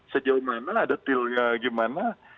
sejauh mana ada dealnya gimana